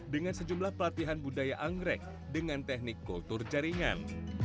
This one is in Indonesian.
dengan sejumlah pelatihan budaya anggrek dengan teknik kultur jaringan